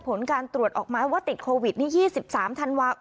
ผลการตรวจออกมาว่าติดโควิดนี่ยี่สิบสามธันวาคม